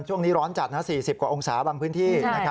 ช่วงนี้ร้อนจัด๔๐กว่าองศาบางพื้นที่